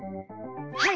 はい！